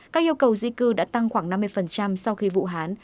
các yêu cầu di cư đã tăng khoảng năm mươi sau khi vũ hán